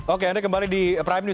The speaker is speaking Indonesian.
oke anda kembali di prime news